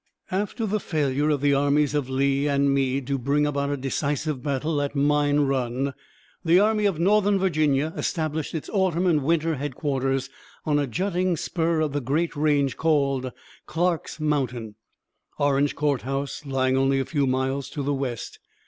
After the failure of the armies of Lee and Meade to bring about a decisive battle at Mine Run, the Army of Northern Virginia established its autumn and winter headquarters on a jutting spur of the great range called Clarke's Mountain, Orange Court House lying only a few miles to the west.